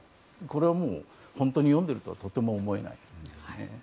もう、本当に読んでいるとはとても思えないですね。